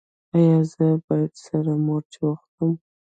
ایا زه باید سره مرچ وخورم؟